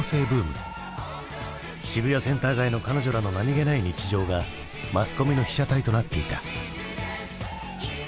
渋谷センター街の彼女らの何気ない日常がマスコミの被写体となっていた。